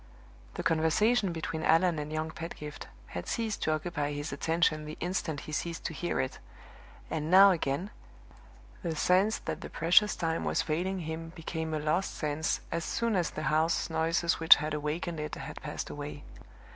The conversation between Allan and young Pedgift had ceased to occupy his attention the instant he ceased to hear it; and now again, the sense that the precious time was failing him became a lost sense as soon as the house noises which had awakened it had passed away.